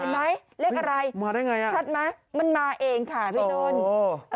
เห็นไหมเลขอะไรชัดไหมมันมาเองค่ะพี่ต้นมาได้ไง